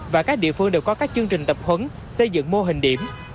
và các địa phương đều có các chương trình tập huấn xây dựng mô hình điểm